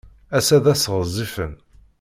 Ass-a d ass ɣezzifen.